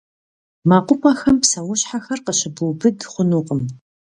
МэкъупӀэхэм псэущхьэхэр къыщыбубыд хъунукъым.